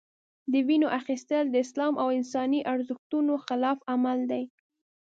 د وینو اخیستل د اسلام او انساني ارزښتونو خلاف عمل دی.